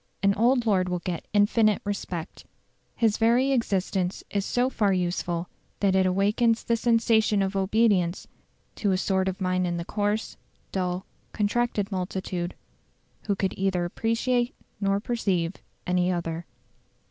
An old lord will get infinite respect. His very existence is so far useful that it awakens the sensation of obedience to a sort of mind in the coarse, dull, contracted multitude, who could neither appreciate nor perceive any other.